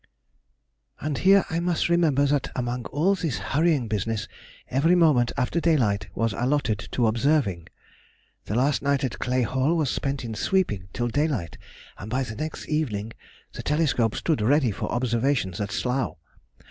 And here I must remember that among all this hurrying business, every moment after daylight was allotted to observing. The last night at Clay Hall was spent in sweeping till daylight, and by the next evening the telescope stood ready for observation at Slough....